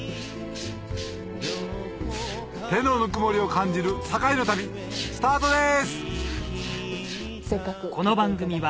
手のぬくもりを感じる堺の旅スタートです！